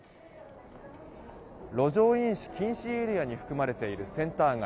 路上飲酒禁止エリアに含まれているセンター街。